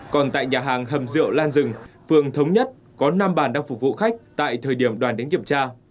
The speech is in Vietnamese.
còn tại nhà hàng hầm dựa lan rừng phường thống nhất có năm bàn đang phục vụ khách tại thời điểm đoàn đến kiểm tra